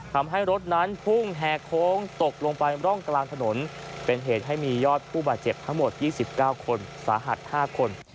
ทำให้รถนั้นพุ่งแห่โค้งตกลงไปร่องกลางถนนเป็นเหตุให้มียอดผู้บาดเจ็บทั้งหมด๒๙คนสาหัส๕คน